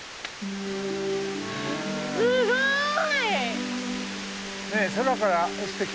すごい！